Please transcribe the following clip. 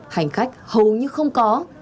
hành khách hầu như không có